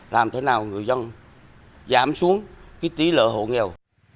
làm thế nào người dân giảm xuống cái tí lợi hộ nghèo